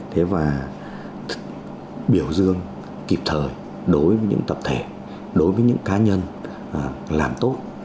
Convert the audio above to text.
thế và biểu dương kịp thời đối với những tập thể đối với những cá nhân làm tốt